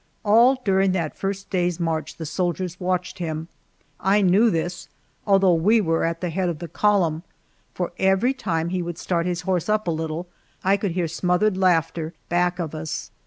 All during that first day's march the soldiers watched him. I knew this, although we were at the head of the column for every time he would start his horse up a little I could hear smothered laughter back of us.